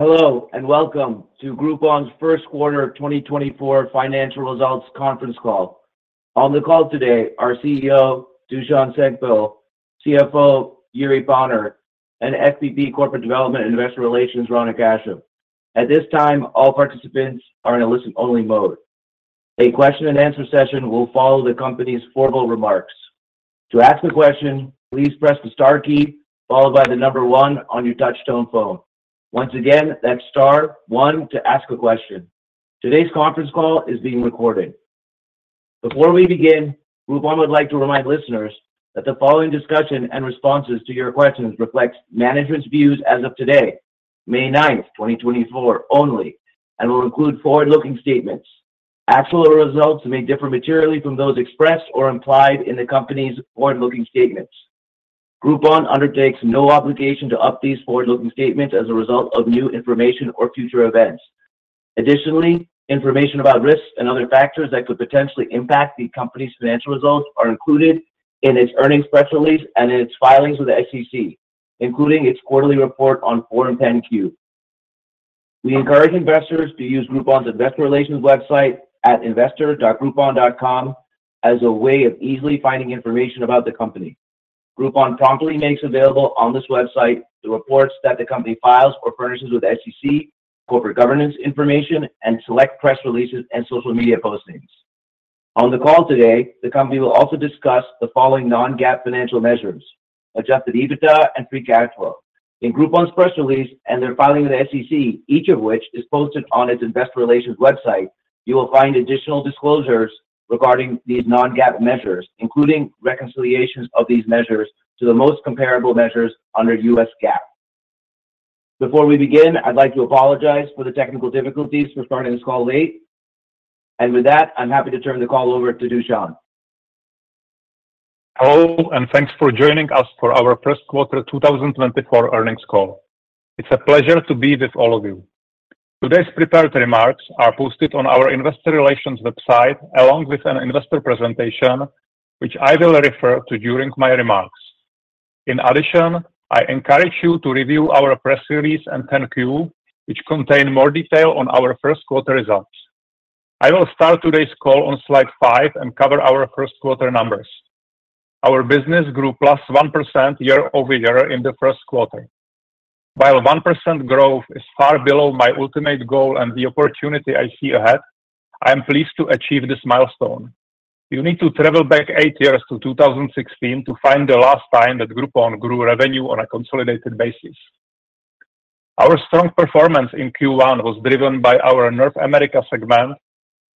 Hello and welcome to Groupon's first quarter 2024 financial results conference call. On the call today are CEO Dušan Šenkypl, CFO Jiri Ponrt, and SVP Corporate Development and Investor Relations Rana Kashyap. At this time, all participants are in a listen-only mode. A question-and-answer session will follow the company's formal remarks. To ask a question, please press the star key followed by the number one on your touch-tone phone. Once again, that's star one to ask a question. Today's conference call is being recorded. Before we begin, Groupon would like to remind listeners that the following discussion and responses to your questions reflect management's views as of today, May 9, 2024, only, and will include forward-looking statements. Actual results may differ materially from those expressed or implied in the company's forward-looking statements. Groupon undertakes no obligation to update forward-looking statements as a result of new information or future events. Additionally, information about risks and other factors that could potentially impact the company's financial results are included in its earnings press release and in its filings with the SEC, including its quarterly report on Form 10-Q. We encourage investors to use Groupon's investor relations website at investor.groupon.com as a way of easily finding information about the company. Groupon promptly makes available on this website the reports that the company files or furnishes with the SEC, corporate governance information, and select press releases and social media postings. On the call today, the company will also discuss the following non-GAAP financial measures: adjusted EBITDA and free cash flow. In Groupon's press release and their filing with the SEC, each of which is posted on its investor relations website, you will find additional disclosures regarding these non-GAAP measures, including reconciliations of these measures to the most comparable measures under US GAAP. Before we begin, I'd like to apologize for the technical difficulties for starting this call late. With that, I'm happy to turn the call over to Dušan. Hello and thanks for joining us for our first quarter 2024 earnings call. It's a pleasure to be with all of you. Today's prepared remarks are posted on our investor relations website along with an investor presentation, which I will refer to during my remarks. In addition, I encourage you to review our press release and 10-Q, which contain more detail on our first quarter results. I will start today's call on slide five and cover our first quarter numbers. Our business grew +1% year-over-year in the first quarter. While 1% growth is far below my ultimate goal and the opportunity I see ahead, I am pleased to achieve this milestone. You need to travel back eight years to 2016 to find the last time that Groupon grew revenue on a consolidated basis. Our strong performance in Q1 was driven by our North America segment,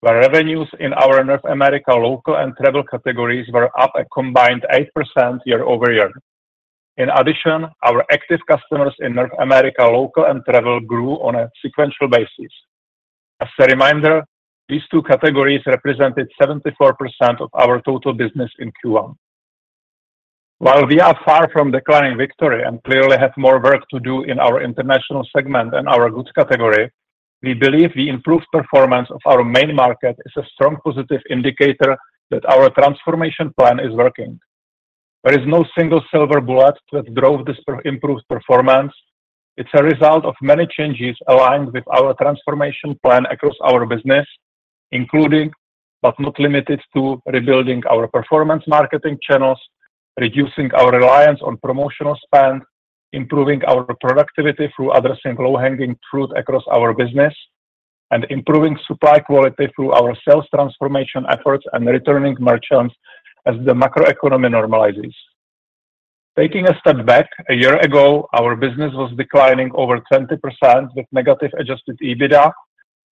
where revenues in our North America local and travel categories were up a combined 8% year-over-year. In addition, our active customers in North America local and travel grew on a sequential basis. As a reminder, these two categories represented 74% of our total business in Q1. While we are far from declaring victory and clearly have more work to do in our international segment and our goods category, we believe the improved performance of our main market is a strong positive indicator that our transformation plan is working. There is no single silver bullet that drove this improved performance. It's a result of many changes aligned with our transformation plan across our business, including but not limited to rebuilding our performance marketing channels, reducing our reliance on promotional spend, improving our productivity through addressing low-hanging fruit across our business, and improving supply quality through our sales transformation efforts and returning merchants as the macroeconomy normalizes. Taking a step back, a year ago, our business was declining over 20% with negative adjusted EBITDA,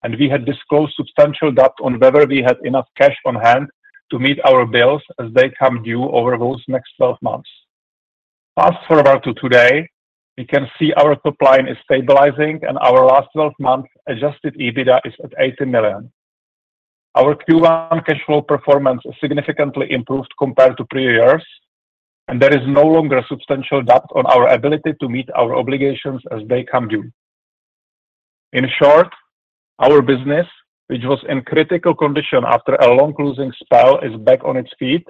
and we had disclosed substantial doubt on whether we had enough cash on hand to meet our bills as they come due over those next 12 months. Fast forward to today, we can see our top line is stabilizing, and our last 12 months adjusted EBITDA is at $80 million. Our Q1 cash flow performance significantly improved compared to previous years, and there is no longer substantial doubt on our ability to meet our obligations as they come due. In short, our business, which was in critical condition after a long losing spell, is back on its feet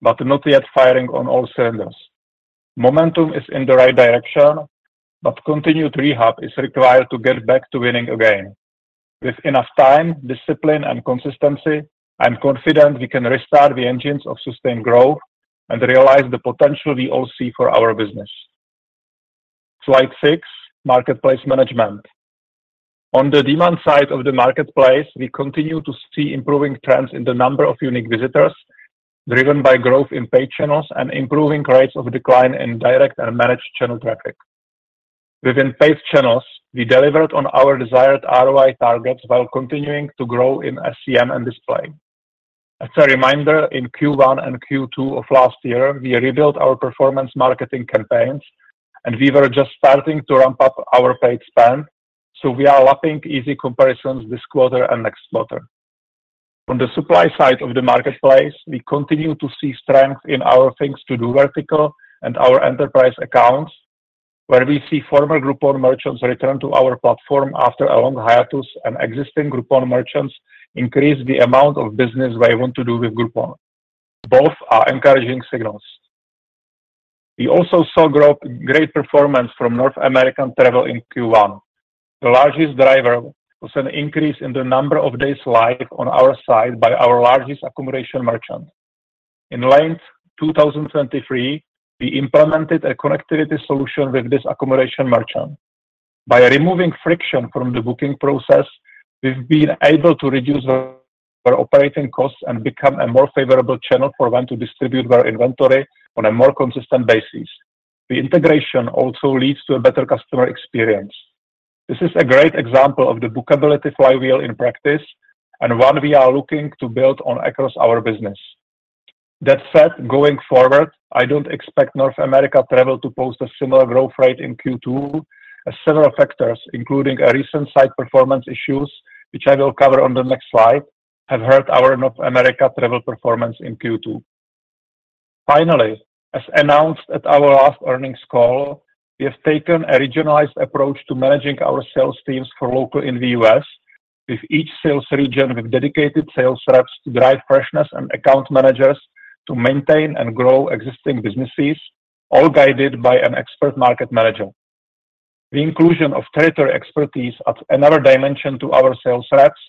but not yet firing on all cylinders. Momentum is in the right direction, but continued rehab is required to get back to winning again. With enough time, discipline, and consistency, I'm confident we can restart the engines of sustained growth and realize the potential we all see for our business. Slide six, marketplace management. On the demand side of the marketplace, we continue to see improving trends in the number of unique visitors, driven by growth in paid channels and improving rates of decline in direct and managed channel traffic. Within paid channels, we delivered on our desired ROI targets while continuing to grow in SEM and display. As a reminder, in Q1 and Q2 of last year, we rebuilt our performance marketing campaigns, and we were just starting to ramp up our paid spend, so we are lapping easy comparisons this quarter and next quarter. On the supply side of the marketplace, we continue to see strength in our things-to-do vertical and our enterprise accounts, where we see former Groupon merchants return to our platform after a long hiatus and existing Groupon merchants increase the amount of business they want to do with Groupon. Both are encouraging signals. We also saw great performance from North American travel in Q1. The largest driver was an increase in the number of days live on our side by our largest accommodation merchant. In late 2023, we implemented a connectivity solution with this accommodation merchant. By removing friction from the booking process, we've been able to reduce our operating costs and become a more favorable channel for them to distribute their inventory on a more consistent basis. The integration also leads to a better customer experience. This is a great example of the bookability flywheel in practice and one we are looking to build on across our business. That said, going forward, I don't expect North America travel to post a similar growth rate in Q2, as several factors, including recent site performance issues, which I will cover on the next slide, have hurt our North America travel performance in Q2. Finally, as announced at our last earnings call, we have taken a regionalized approach to managing our sales teams for local in the U.S., with each sales region with dedicated sales reps to drive freshness and account managers to maintain and grow existing businesses, all guided by an expert market manager. The inclusion of territory expertise adds another dimension to our sales reps,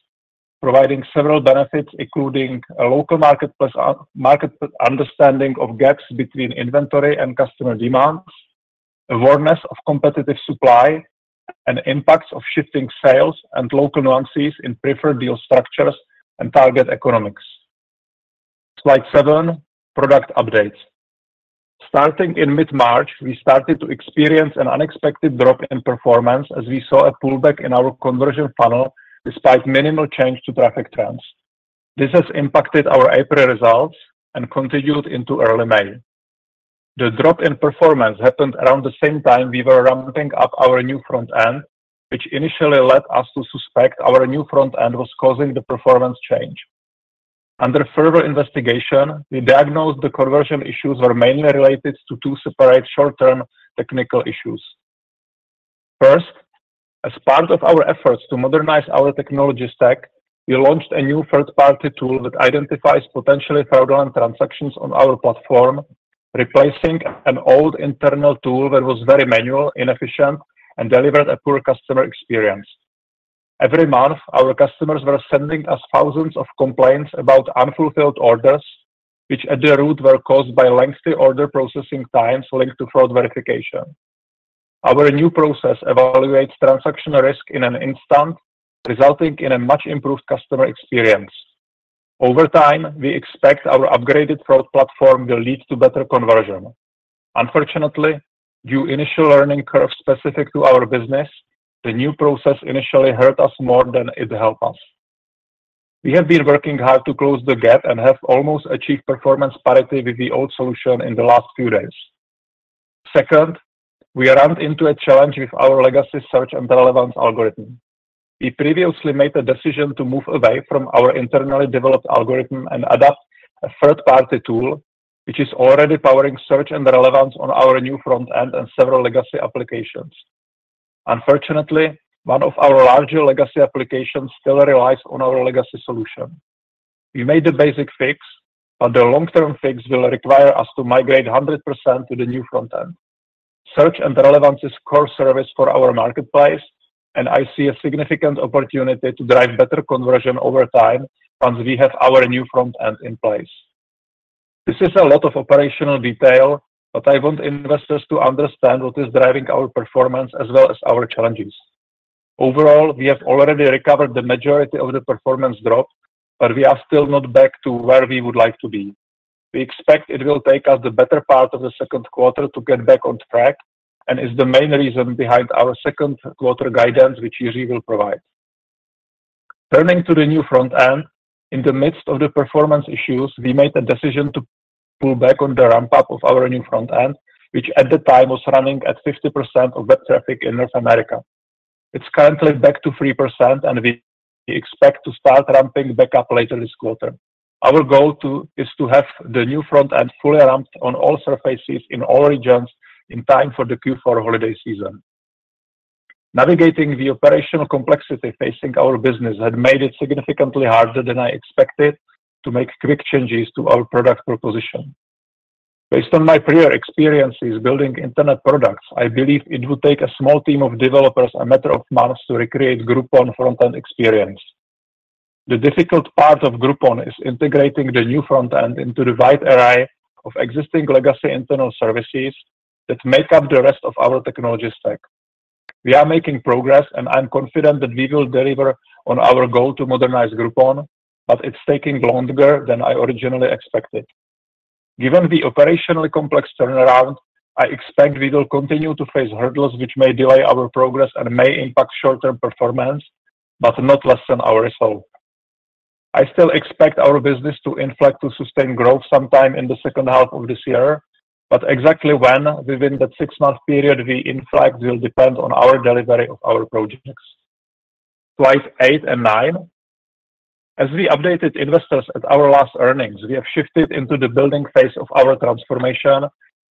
providing several benefits, including a local market understanding of gaps between inventory and customer demands, awareness of competitive supply, and impacts of shifting sales and local nuances in preferred deal structures and target economics. Slide seven, product updates. Starting in mid-March, we started to experience an unexpected drop in performance as we saw a pullback in our conversion funnel despite minimal change to traffic trends. This has impacted our April results and continued into early May. The drop in performance happened around the same time we were ramping up our new front end, which initially led us to suspect our new front end was causing the performance change. Under further investigation, we diagnosed the conversion issues were mainly related to two separate short-term technical issues. First, as part of our efforts to modernize our technology stack, we launched a new third-party tool that identifies potentially fraudulent transactions on our platform, replacing an old internal tool that was very manual, inefficient, and delivered a poor customer experience. Every month, our customers were sending us thousands of complaints about unfulfilled orders, which at the root were caused by lengthy order processing times linked to fraud verification. Our new process evaluates transaction risk in an instant, resulting in a much improved customer experience. Over time, we expect our upgraded fraud platform will lead to better conversion. Unfortunately, due to initial learning curves specific to our business, the new process initially hurt us more than it helped us. We have been working hard to close the gap and have almost achieved performance parity with the old solution in the last few days. Second, we ran into a challenge with our legacy search and relevance algorithm. We previously made a decision to move away from our internally developed algorithm and adopt a third-party tool, which is already powering search and relevance on our new front end and several legacy applications. Unfortunately, one of our larger legacy applications still relies on our legacy solution. We made the basic fix, but the long-term fix will require us to migrate 100% to the new front end. Search and relevance is a core service for our marketplace, and I see a significant opportunity to drive better conversion over time once we have our new front end in place. This is a lot of operational detail, but I want investors to understand what is driving our performance as well as our challenges. Overall, we have already recovered the majority of the performance drop, but we are still not back to where we would like to be. We expect it will take us the better part of the second quarter to get back on track and is the main reason behind our second quarter guidance, which Jiri will provide. Turning to the new front end, in the midst of the performance issues, we made a decision to pull back on the ramp-up of our new front end, which at the time was running at 50% of web traffic in North America. It's currently back to 3%, and we expect to start ramping back up later this quarter. Our goal is to have the new front end fully ramped on all surfaces in all regions in time for the Q4 holiday season. Navigating the operational complexity facing our business had made it significantly harder than I expected to make quick changes to our product proposition. Based on my prior experiences building internet products, I believe it would take a small team of developers and a matter of months to recreate Groupon front end experience. The difficult part of Groupon is integrating the new front end into the wide array of existing legacy internal services that make up the rest of our technology stack. We are making progress, and I'm confident that we will deliver on our goal to modernize Groupon, but it's taking longer than I originally expected. Given the operationally complex turnaround, I expect we will continue to face hurdles which may delay our progress and may impact short-term performance but not lessen our results. I still expect our business to inflect to sustain growth sometime in the second half of this year, but exactly when within that six-month period we inflect will depend on our delivery of our projects. Slide eight and nine. As we updated investors at our last earnings, we have shifted into the building phase of our transformation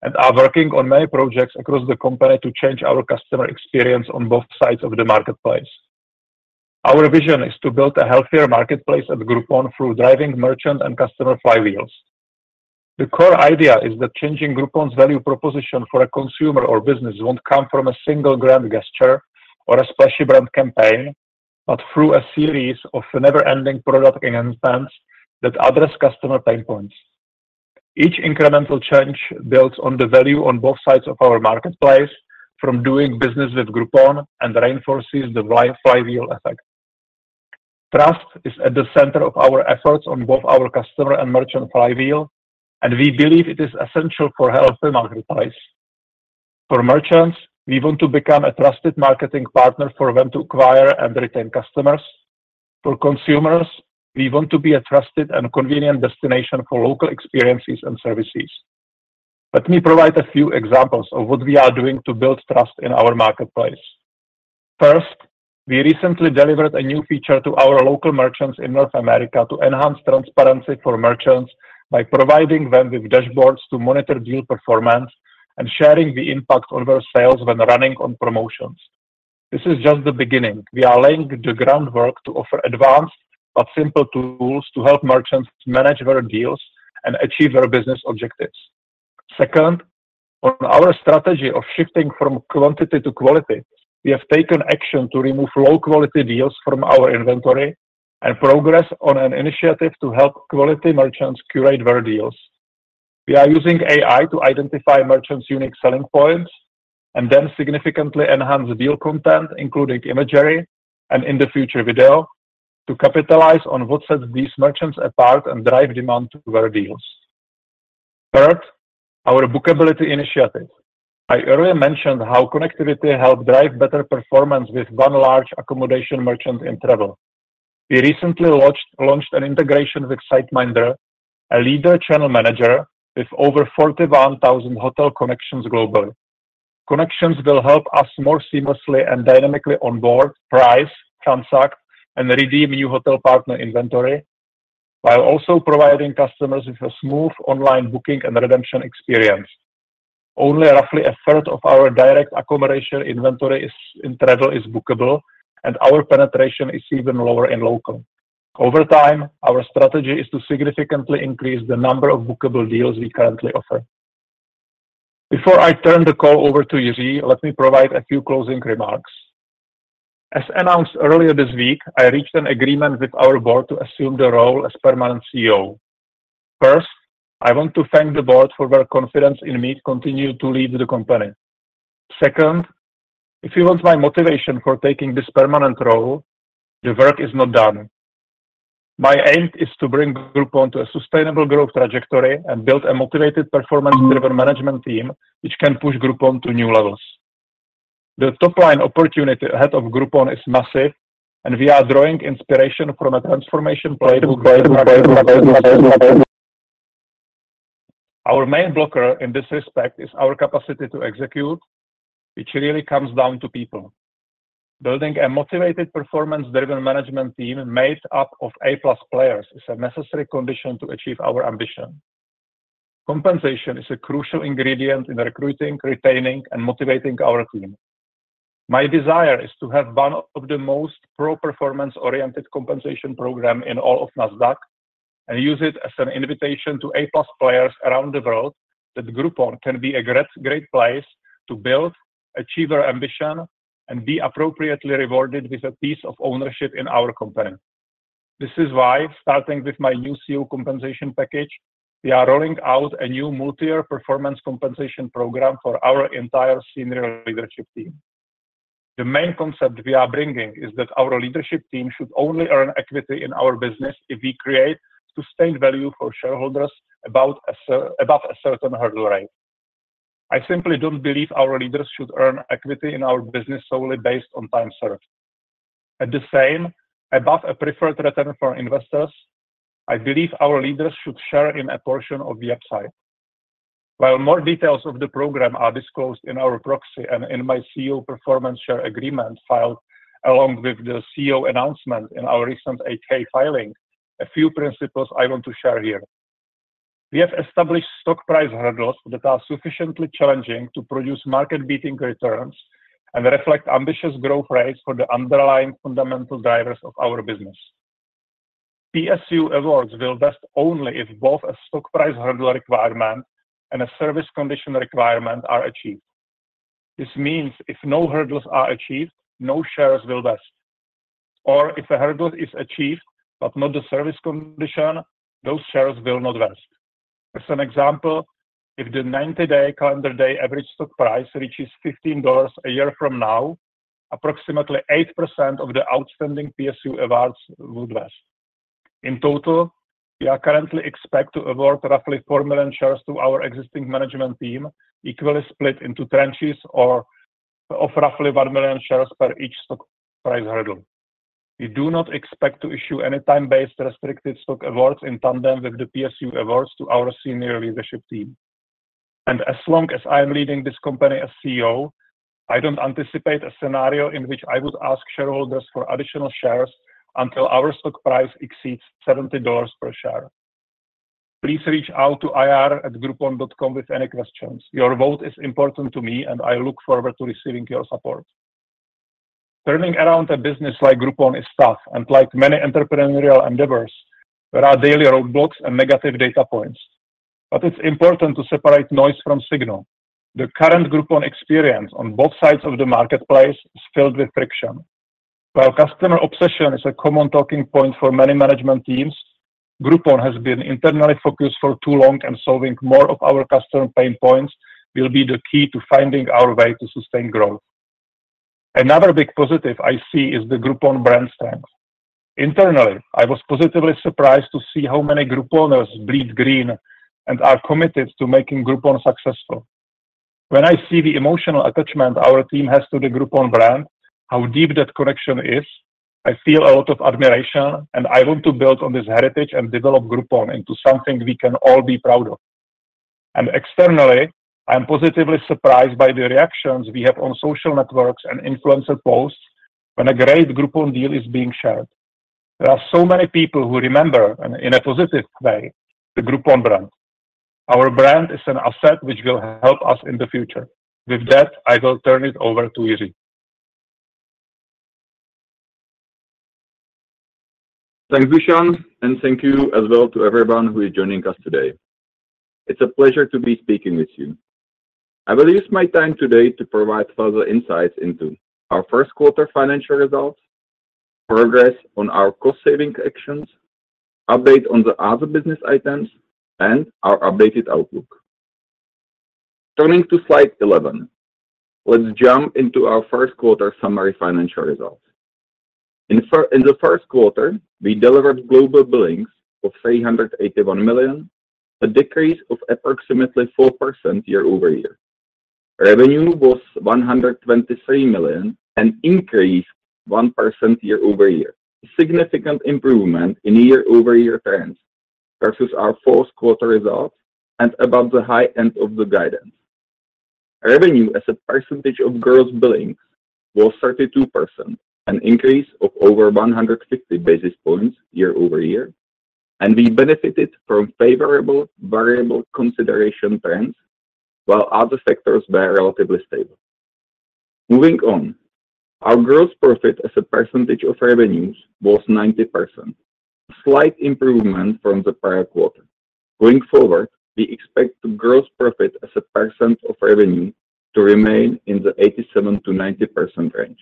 and are working on many projects across the company to change our customer experience on both sides of the marketplace. Our vision is to build a healthier marketplace at Groupon through driving merchant and customer flywheels. The core idea is that changing Groupon's value proposition for a consumer or business won't come from a single grand gesture or a splashy brand campaign, but through a series of never-ending product enhancements that address customer pain points. Each incremental change builds on the value on both sides of our marketplace from doing business with Groupon and reinforces the flywheel effect. Trust is at the center of our efforts on both our customer and merchant flywheel, and we believe it is essential for healthy marketplace. For merchants, we want to become a trusted marketing partner for them to acquire and retain customers. For consumers, we want to be a trusted and convenient destination for local experiences and services. Let me provide a few examples of what we are doing to build trust in our marketplace. First, we recently delivered a new feature to our local merchants in North America to enhance transparency for merchants by providing them with dashboards to monitor deal performance and sharing the impact on their sales when running on promotions. This is just the beginning. We are laying the groundwork to offer advanced but simple tools to help merchants manage their deals and achieve their business objectives. Second, on our strategy of shifting from quantity to quality, we have taken action to remove low-quality deals from our inventory and progress on an initiative to help quality merchants curate their deals. We are using AI to identify merchants' unique selling points and then significantly enhance deal content, including imagery and, in the future, video, to capitalize on what sets these merchants apart and drive demand for their deals. Third, our bookability initiative. I earlier mentioned how connectivity helped drive better performance with one large accommodation merchant in travel. We recently launched an integration with SiteMinder, a leading channel manager with over 41,000 hotel connections globally. Connections will help us more seamlessly and dynamically onboard, price, transact, and redeem new hotel partner inventory while also providing customers with a smooth online booking and redemption experience. Only roughly 1/3 of our direct accommodation inventory in travel is bookable, and our penetration is even lower in local. Over time, our strategy is to significantly increase the number of bookable deals we currently offer. Before I turn the call over to Jiri, let me provide a few closing remarks. As announced earlier this week, I reached an agreement with our board to assume the role as permanent CEO. First, I want to thank the board for their confidence in me continuing to lead the company. Second, if you want my motivation for taking this permanent role, the work is not done. My aim is to bring Groupon to a sustainable growth trajectory and build a motivated performance-driven management team, which can push Groupon to new levels. The top-line opportunity ahead of Groupon is massive, and we are drawing inspiration from a transformation playbook. Our main blocker in this respect is our capacity to execute, which really comes down to people. Building a motivated performance-driven management team made up of A+ players is a necessary condition to achieve our ambition. Compensation is a crucial ingredient in recruiting, retaining, and motivating our team. My desire is to have one of the most pro-performance-oriented compensation programs in all of Nasdaq and use it as an invitation to A-plus players around the world that Groupon can be a great place to build, achieve their ambition, and be appropriately rewarded with a piece of ownership in our company. This is why, starting with my new CEO compensation package, we are rolling out a new multi-year performance compensation program for our entire senior leadership team. The main concept we are bringing is that our leadership team should only earn equity in our business if we create sustained value for shareholders above a certain hurdle rate. I simply don't believe our leaders should earn equity in our business solely based on time served. At the same, above a preferred return for investors, I believe our leaders should share in a portion of the upside. While more details of the program are disclosed in our proxy and in my CEO performance share agreement filed along with the CEO announcement in our recent 8-K filing, a few principles I want to share here. We have established stock price hurdles that are sufficiently challenging to produce market-beating returns and reflect ambitious growth rates for the underlying fundamental drivers of our business. PSU awards will vest only if both a stock price hurdle requirement and a service condition requirement are achieved. This means if no hurdles are achieved, no shares will vest. Or if a hurdle is achieved but not the service condition, those shares will not vest. As an example, if the 90-day calendar day average stock price reaches $15 a year from now, approximately 8% of the outstanding PSU awards would vest. In total, we are currently expected to award roughly 4 million shares to our existing management team, equally split into tranches of roughly 1 million shares per each stock price hurdle. We do not expect to issue any time-based restricted stock awards in tandem with the PSU awards to our senior leadership team. As long as I am leading this company as CEO, I don't anticipate a scenario in which I would ask shareholders for additional shares until our stock price exceeds $70 per share. Please reach out to IR@groupon.com with any questions. Your vote is important to me, and I look forward to receiving your support. Turning around a business like Groupon is tough. Like many entrepreneurial endeavors, there are daily roadblocks and negative data points. But it's important to separate noise from signal. The current Groupon experience on both sides of the marketplace is filled with friction. While customer obsession is a common talking point for many management teams, Groupon has been internally focused for too long, and solving more of our customer pain points will be the key to finding our way to sustain growth. Another big positive I see is the Groupon brand strength. Internally, I was positively surprised to see how many Grouponers bleed green and are committed to making Groupon successful. When I see the emotional attachment our team has to the Groupon brand, how deep that connection is, I feel a lot of admiration, and I want to build on this heritage and develop Groupon into something we can all be proud of. And externally, I am positively surprised by the reactions we have on social networks and influencer posts when a great Groupon deal is being shared. There are so many people who remember, in a positive way, the Groupon brand. Our brand is an asset which will help us in the future. With that, I will turn it over to Jiri. Thanks, Dušan, and thank you as well to everyone who is joining us today. It's a pleasure to be speaking with you. I will use my time today to provide further insights into our first quarter financial results, progress on our cost-saving actions, update on the other business items, and our updated outlook. Turning to slide 11, let's jump into our first quarter summary financial results. In the first quarter, we delivered global billings of $381 million, a decrease of approximately 4% year-over-year. Revenue was $123 million and increased 1% year-over-year, a significant improvement in year-over-year trends versus our fourth quarter results and above the high end of the guidance. Revenue as a percentage of gross billings was 32%, an increase of over 150 basis points year-over-year, and we benefited from favorable variable consideration trends while other sectors were relatively stable. Moving on, our gross profit as a percentage of revenues was 90%, a slight improvement from the prior quarter. Going forward, we expect gross profit as a percent of revenue to remain in the 87%-90% range.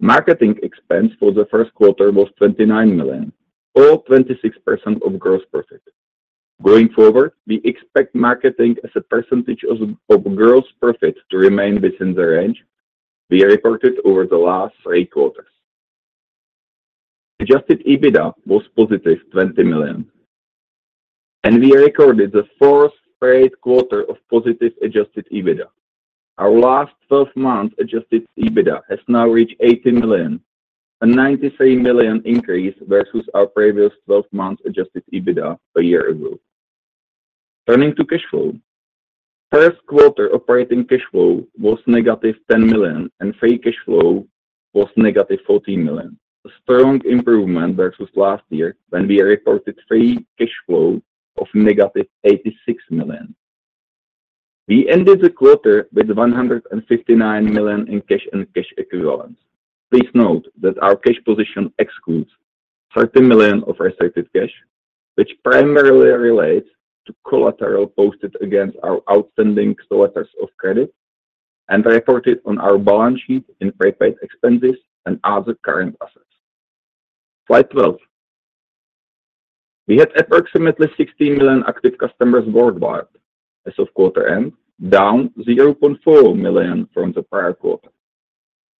Marketing expense for the first quarter was $29 million, all 26% of gross profit. Going forward, we expect marketing as a percentage of gross profit to remain within the range we reported over the last three quarters. Adjusted EBITDA was +$20 million, and we recorded the fourth straight quarter of positive adjusted EBITDA. Our last 12 months' adjusted EBITDA has now reached $80 million, a $93 million increase versus our previous 12 months' adjusted EBITDA a year ago. Turning to cash flow, first quarter operating cash flow was -$10 million, and free cash flow was -$14 million, a strong improvement versus last year when we reported free cash flow of -$86 million. We ended the quarter with $159 million in cash and cash equivalents. Please note that our cash position excludes $30 million of restricted cash, which primarily relates to collateral posted against our outstanding letters of credit and reported on our balance sheet in prepaid expenses and other current assets. Slide 12. We had approximately 16 million active customers worldwide as of quarter end, down 0.4 million from the prior quarter.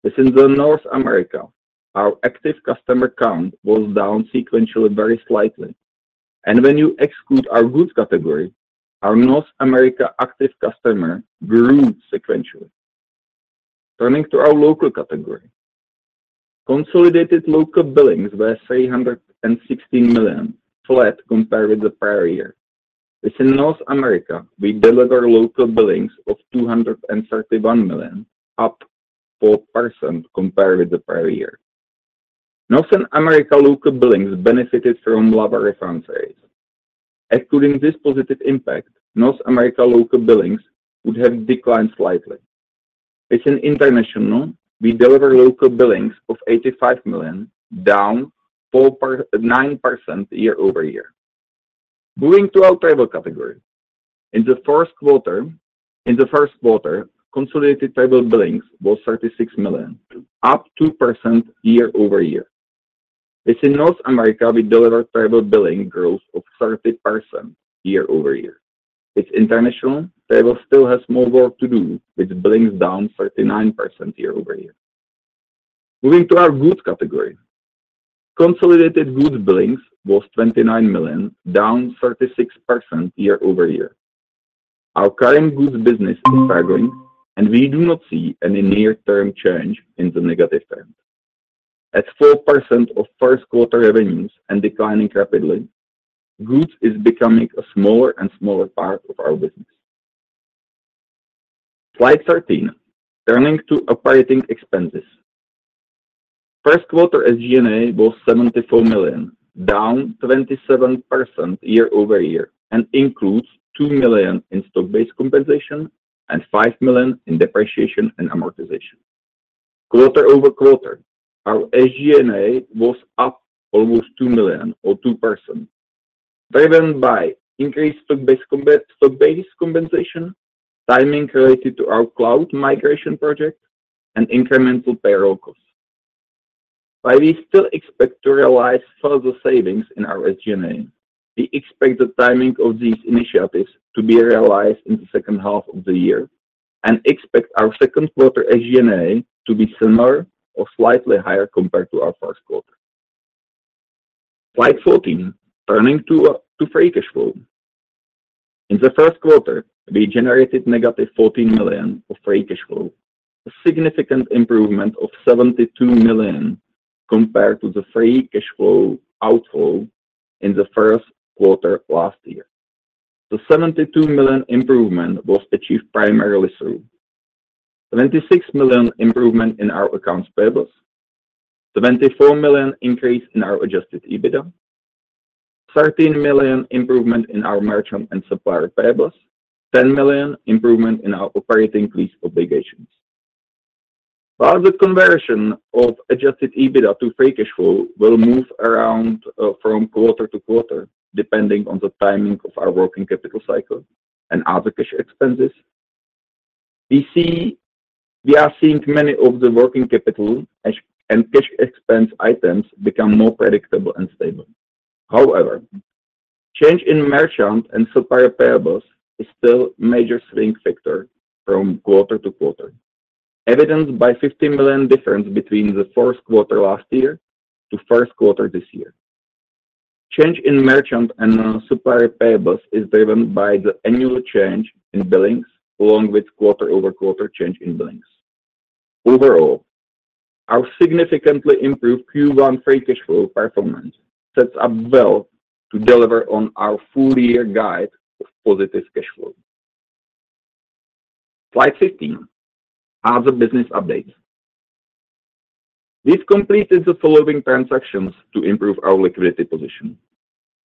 Within North America, our active customer count was down sequentially very slightly. When you exclude our goods category, our North America active customer grew sequentially. Turning to our local category, consolidated local billings were $316 million, flat compared with the prior year. Within North America, we deliver local billings of $231 million, up 4% compared with the prior year. North America local billings benefited from lower refund rates. Absent this positive impact, North America local billings would have declined slightly. Within international, we deliver local billings of $85 million, down 9% year-over-year. Moving to our travel category. In the first quarter, consolidated travel billings were $36 million, up 2% year-over-year. Within North America, we deliver travel billing growth of 30% year-over-year. Within international, travel still has more work to do, with billings down 39% year-over-year. Moving to our goods category, consolidated goods billings were $29 million, down 36% year-over-year. Our current goods business is staggering, and we do not see any near-term change in the negative trend. At 4% of first quarter revenues and declining rapidly, goods is becoming a smaller and smaller part of our business. Slide 13. Turning to operating expenses. First quarter SG&A was $74 million, down 27% year-over-year, and includes $2 million in stock-based compensation and $5 million in depreciation and amortization. Quarter-over-quarter, our SG&A was up almost $2 million or 2%, driven by increased stock-based compensation, timing related to our cloud migration project, and incremental payroll costs. While we still expect to realize further savings in our SG&A, we expect the timing of these initiatives to be realized in the second half of the year and expect our second quarter SG&A to be similar or slightly higher compared to our first quarter. Slide 14. Turning to free cash flow. In the first quarter, we generated -$14 million of free cash flow, a significant improvement of $72 million compared to the free cash flow outflow in the first quarter last year. The $72 million improvement was achieved primarily through $26 million improvement in our accounts payables, $24 million increase in our adjusted EBITDA, $13 million improvement in our merchant and supplier payables, $10 million improvement in our operating lease obligations. While the conversion of adjusted EBITDA to free cash flow will move around from quarter-to-quarter depending on the timing of our working capital cycle and other cash expenses, we are seeing many of the working capital and cash expense items become more predictable and stable. However, change in merchant and supplier payables is still a major swing factor from quarter-to-quarter, evidenced by a $50 million difference between the fourth quarter last year to first quarter this year. Change in merchant and supplier payables is driven by the annual change in billings along with quarter-over-quarter change in billings. Overall, our significantly improved Q1 free cash flow performance sets up well to deliver on our full-year guide of positive cash flow. Slide 15. Other business updates. We've completed the following transactions to improve our liquidity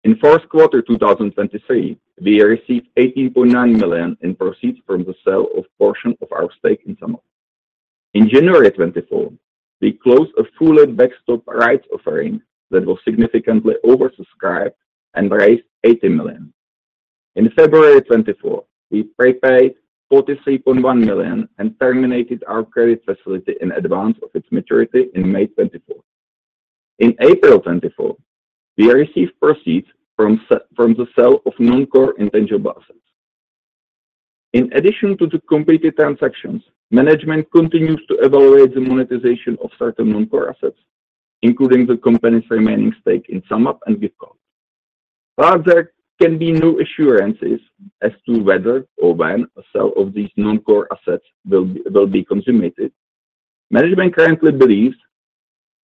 position. In fourth quarter 2023, we received $18.9 million in proceeds from the sale of a portion of our stake in SumUp. In January 2024, we closed a fully backstop rights offering that was significantly oversubscribed and raised $80 million. In February 2024, we prepaid $43.1 million and terminated our credit facility in advance of its maturity in May 2024. In April 2024, we received proceeds from the sale of non-core intangible assets. In addition to the completed transactions, management continues to evaluate the monetization of certain non-core assets, including the company's remaining stake in SumUp and Giftcloud. While there can be no assurances as to whether or when a sale of these non-core assets will be consummated, management currently believes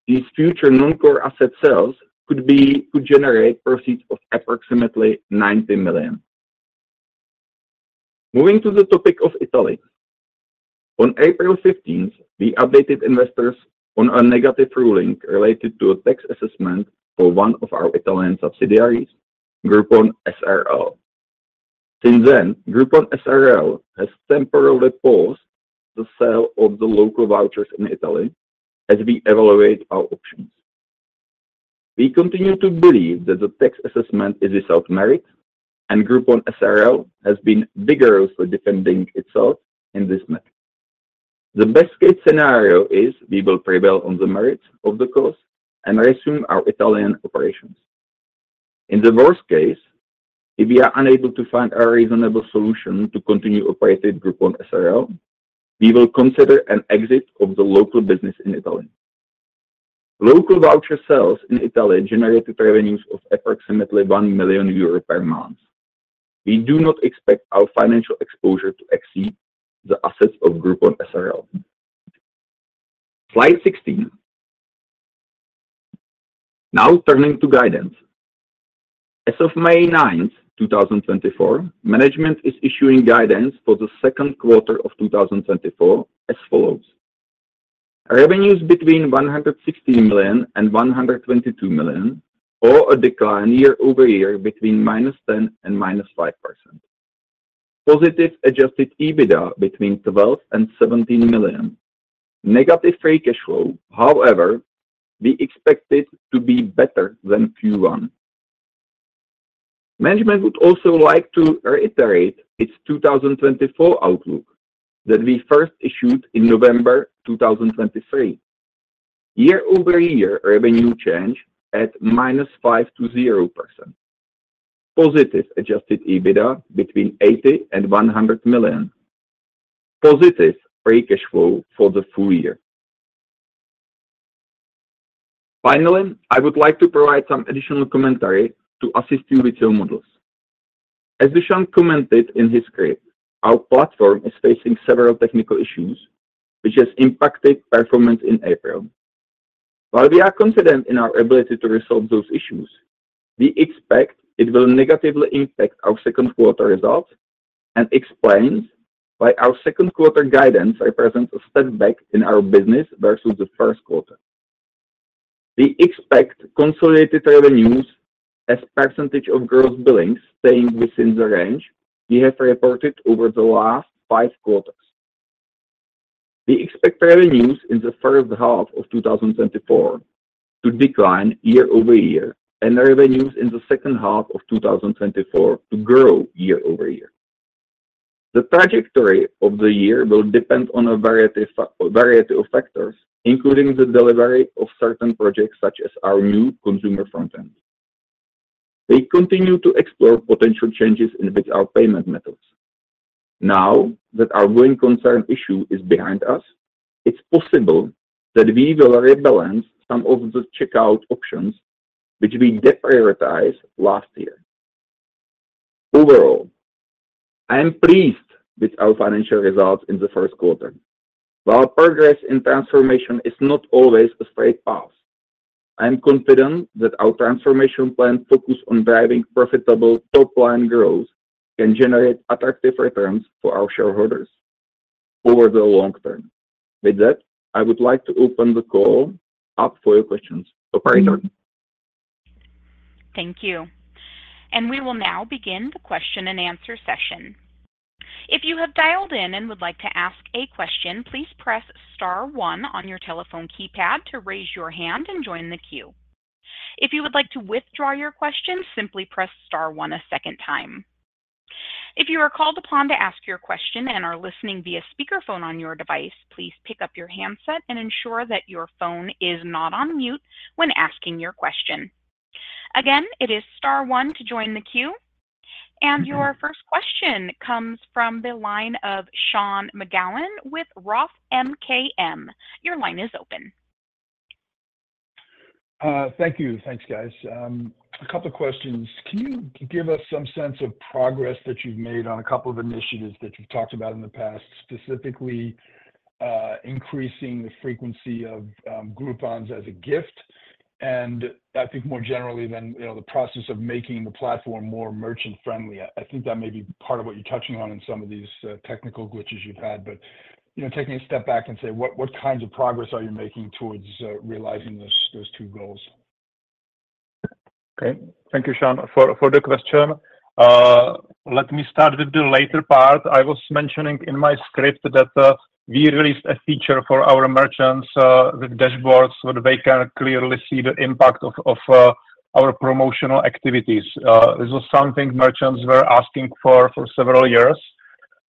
these future non-core asset sales could generate proceeds of approximately $90 million. Moving to the topic of Italy. On April 15th, we updated investors on a negative ruling related to a tax assessment for one of our Italian subsidiaries, Groupon SRL. Since then, Groupon SRL has temporarily paused the sale of the local vouchers in Italy as we evaluate our options. We continue to believe that the tax assessment is without merit, and Groupon SRL has been vigorously defending itself in this matter. The best-case scenario is we will prevail on the merits of the case and resume our Italian operations. In the worst case, if we are unable to find a reasonable solution to continue operating Groupon SRL, we will consider an exit of the local business in Italy. Local voucher sales in Italy generated revenues of approximately 1 million euro per month. We do not expect our financial exposure to exceed the assets of Groupon SRL. Slide 16. Now turning to guidance. As of May 9th, 2024, management is issuing guidance for the second quarter of 2024 as follows: revenues between $116 million and $122 million, or a decline year-over-year between -10% and -5%, positive Adjusted EBITDA between $12 million and $17 million, negative free cash flow. However, we expected it to be better than Q1. Management would also like to reiterate its 2024 outlook that we first issued in November 2023. Year-over-year, revenue changed at -5% to 0%, positive Adjusted EBITDA between $80 million and $100 million, positive free cash flow for the full year. Finally, I would like to provide some additional commentary to assist you with your models. As Dušan commented in his script, our platform is facing several technical issues, which has impacted performance in April. While we are confident in our ability to resolve those issues, we expect it will negatively impact our second quarter results, and explains why our second quarter guidance represents a step back in our business versus the first quarter. We expect consolidated revenues as a percentage of gross billings staying within the range we have reported over the last five quarters. We expect revenues in the first half of 2024 to decline year-over-year and revenues in the second half of 2024 to grow year-over-year. The trajectory of the year will depend on a variety of factors, including the delivery of certain projects such as our new consumer front end. We continue to explore potential changes in our payment methods. Now that our going concern issue is behind us, it's possible that we will rebalance some of the checkout options, which we deprioritized last year. Overall, I am pleased with our financial results in the first quarter. While progress in transformation is not always a straight path, I am confident that our transformation plan focused on driving profitable top-line growth can generate attractive returns for our shareholders over the long term. With that, I would like to open the call up for your questions. Operator. Thank you. We will now begin the question and answer session. If you have dialed in and would like to ask a question, please press star one on your telephone keypad to raise your hand and join the queue. If you would like to withdraw your question, simply press star one a second time. If you are called upon to ask your question and are listening via speakerphone on your device, please pick up your handset and ensure that your phone is not on mute when asking your question. Again, it is star one to join the queue. Your first question comes from the line of Sean McGowan with Roth MKM. Your line is open. Thank you. Thanks, guys. A couple of questions. Can you give us some sense of progress that you've made on a couple of initiatives that you've talked about in the past, specifically increasing the frequency of Groupons as a gift? And I think more generally than the process of making the platform more merchant-friendly, I think that may be part of what you're touching on in some of these technical glitches you've had. But taking a step back and say, what kinds of progress are you making towards realizing those two goals? Okay. Thank you, Sean, for the question. Let me start with the later part. I was mentioning in my script that we released a feature for our merchants with dashboards where they can clearly see the impact of our promotional activities. This was something merchants were asking for several years.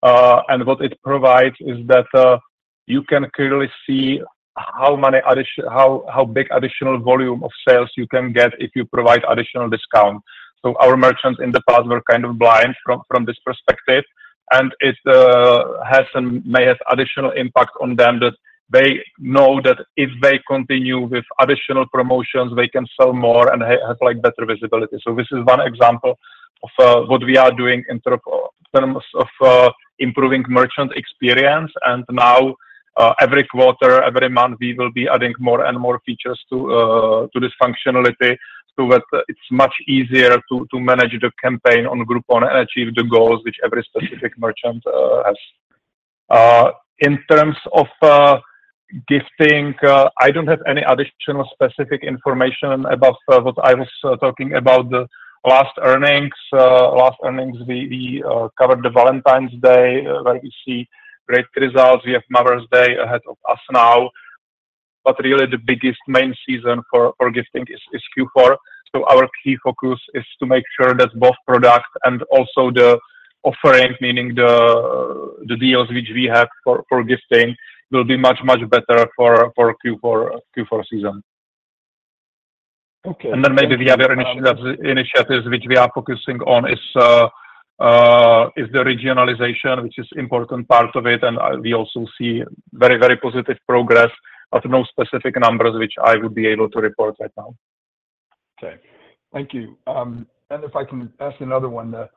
And what it provides is that you can clearly see how big additional volume of sales you can get if you provide additional discount. So our merchants in the past were kind of blind from this perspective. And it may have additional impact on them that they know that if they continue with additional promotions, they can sell more and have better visibility. So this is one example of what we are doing in terms of improving merchant experience. Now, every quarter, every month, we will be adding more and more features to this functionality so that it's much easier to manage the campaign on Groupon and achieve the goals which every specific merchant has. In terms of gifting, I don't have any additional specific information above what I was talking about. The last earnings, we covered Valentine's Day where we see great results. We have Mother's Day ahead of us now. But really, the biggest main season for gifting is Q4. So our key focus is to make sure that both product and also the offering, meaning the deals which we have for gifting, will be much, much better for Q4 season. And then maybe the other initiatives which we are focusing on is the regionalization, which is an important part of it. We also see very, very positive progress, but no specific numbers which I would be able to report right now. Okay. Thank you. And if I can ask another one, the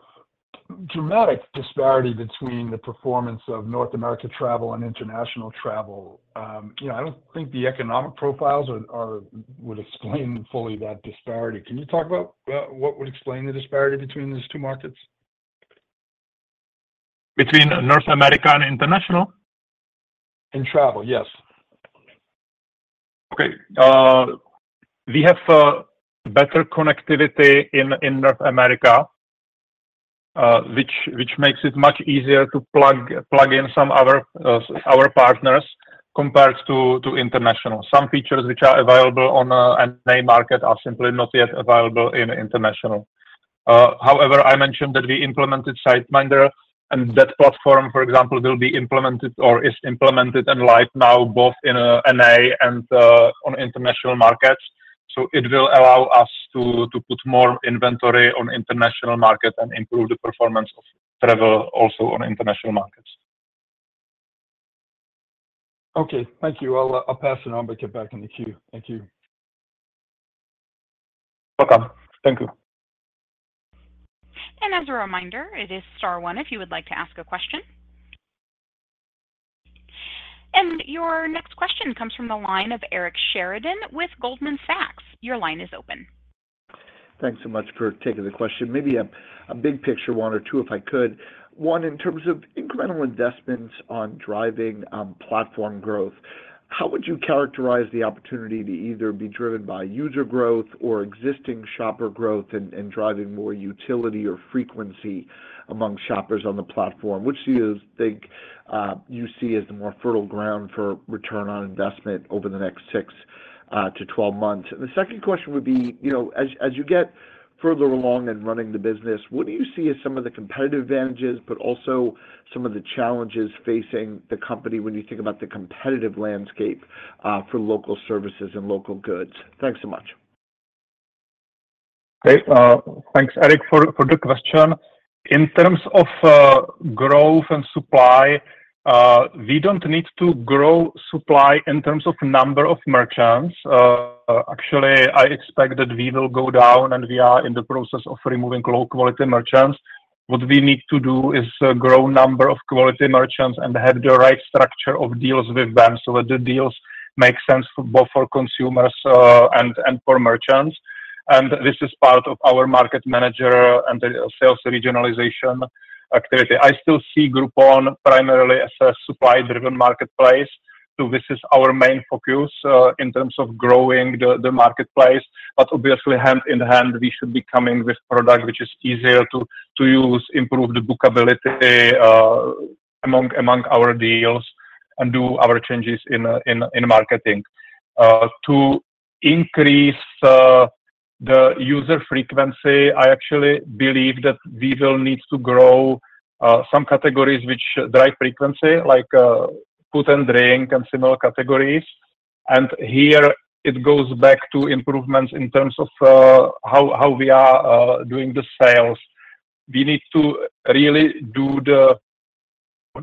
dramatic disparity between the performance of North America travel and international travel, I don't think the economic profiles would explain fully that disparity. Can you talk about what would explain the disparity between these two markets? Between North America and international? In travel, yes. Okay. We have better connectivity in North America, which makes it much easier to plug in some other partners compared to international. Some features which are available on NA market are simply not yet available in international. However, I mentioned that we implemented SiteMinder, and that platform, for example, will be implemented or is implemented and live now both in NA and on international markets. So it will allow us to put more inventory on international markets and improve the performance of travel also on international markets. Okay. Thank you. I'll pass it on. We'll get back in the queue. Thank you. Welcome. Thank you. As a reminder, it is star one if you would like to ask a question. Your next question comes from the line of Eric Sheridan with Goldman Sachs. Your line is open. Thanks so much for taking the question. Maybe a big picture one or two if I could. One, in terms of incremental investments on driving platform growth, how would you characterize the opportunity to either be driven by user growth or existing shopper growth and driving more utility or frequency among shoppers on the platform? Which do you think you see as the more fertile ground for return on investment over the next six to 12 months? And the second question would be, as you get further along in running the business, what do you see as some of the competitive advantages, but also some of the challenges facing the company when you think about the competitive landscape for local services and local goods? Thanks so much. Great. Thanks, Eric, for the question. In terms of growth and supply, we don't need to grow supply in terms of number of merchants. Actually, I expect that we will go down, and we are in the process of removing low-quality merchants. What we need to do is grow the number of quality merchants and have the right structure of deals with them so that the deals make sense both for consumers and for merchants. And this is part of our market manager and the sales regionalization activity. I still see Groupon primarily as a supply-driven marketplace. So this is our main focus in terms of growing the marketplace. But obviously, hand in hand, we should be coming with products which are easier to use, improve the bookability among our deals, and do our changes in marketing. To increase the user frequency, I actually believe that we will need to grow some categories which drive frequency, like food and drink and similar categories. Here, it goes back to improvements in terms of how we are doing the sales. We need to really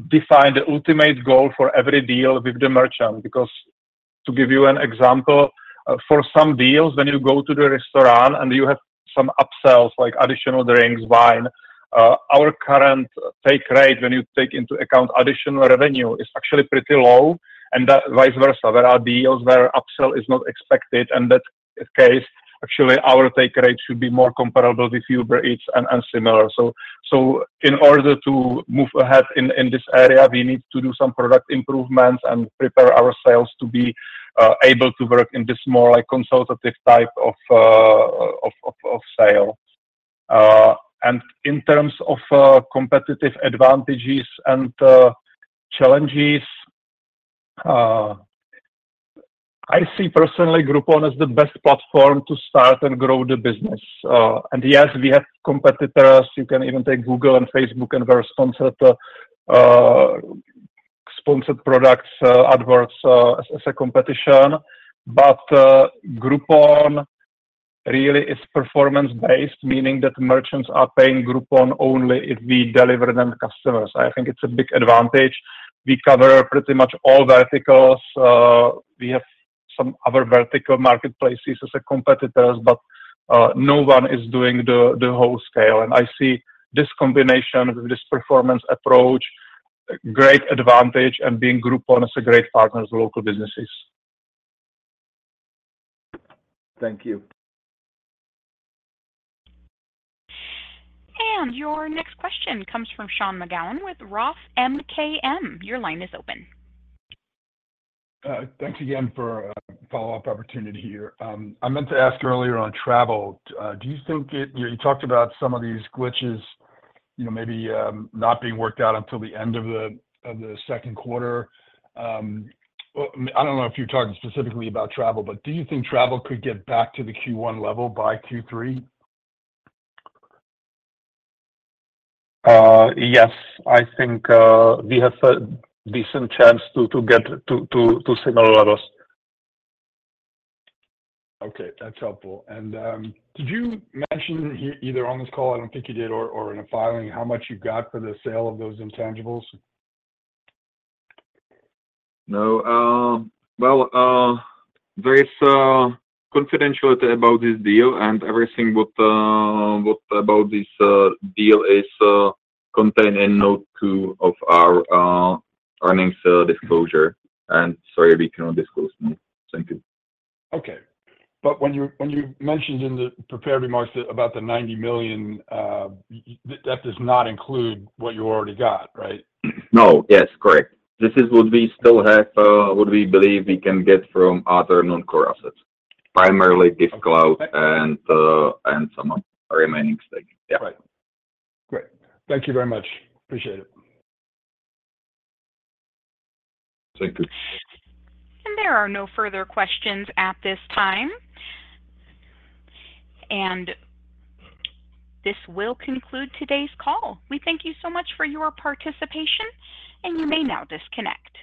define the ultimate goal for every deal with the merchant. Because to give you an example, for some deals, when you go to the restaurant and you have some upsells, like additional drinks, wine, our current take rate, when you take into account additional revenue, is actually pretty low and vice versa. There are deals where upsell is not expected. In that case, actually, our take rate should be more comparable with Uber Eats and similar. In order to move ahead in this area, we need to do some product improvements and prepare our sales to be able to work in this more consultative type of sale. In terms of competitive advantages and challenges, I see personally Groupon as the best platform to start and grow the business. Yes, we have competitors. You can even take Google and Facebook and their sponsored products, AdWords, as a competition. But Groupon really is performance-based, meaning that merchants are paying Groupon only if we deliver them customers. I think it's a big advantage. We cover pretty much all verticals. We have some other vertical marketplaces as competitors, but no one is doing the whole scale. I see this combination with this performance approach, a great advantage, and being Groupon as a great partner to local businesses. Thank you. Your next question comes from Sean McGowan with Roth MKM. Your line is open. Thanks again for the follow-up opportunity here. I meant to ask earlier on travel. Do you think you talked about some of these glitches maybe not being worked out until the end of the second quarter? I don't know if you're talking specifically about travel, but do you think travel could get back to the Q1 level by Q3? Yes. I think we have a decent chance to get to similar levels. Okay. That's helpful. And did you mention either on this call - I don't think you did - or in a filing how much you got for the sale of those intangibles? No. Well, there is confidentiality about this deal. Everything about this deal is contained in Note 2 of our earnings disclosure. Sorry, we cannot disclose more. Thank you. Okay. But when you mentioned in the prepared remarks about the $90 million, that does not include what you already got, right? No. Yes. Correct. This is what we still have, what we believe we can get from other non-core assets, primarily Giftcloud and some of the remaining staking. Yeah. Right. Great. Thank you very much. Appreciate it. Thank you. There are no further questions at this time. This will conclude today's call. We thank you so much for your participation, and you may now disconnect.